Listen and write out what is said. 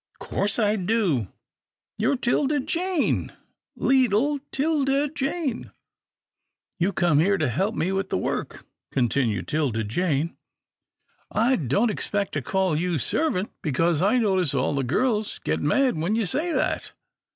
" Course I do — you're 'Tilda Jane, leetle 'Tilda Jane." " You have come here to help me do the work," continued 'Tilda Jane. " I don't expect to call you 14 'TILDA JANE'S ORPHANS servant, because I notice all the girls get mad when you say that."